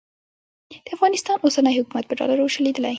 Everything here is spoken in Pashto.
د افغانستان اوسنی حکومت په ډالرو چلېدلی.